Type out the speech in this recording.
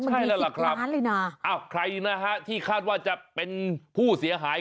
มันมี๑๐ล้านเลยน่ะอ้าวใครนะฮะที่คาดว่าจะเป็นผู้เสียหาย